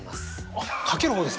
あっかける方ですか。